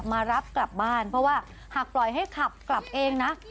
มารับกลับบ้านเพราะว่าหากปล่อยให้ขับกลับเองนะ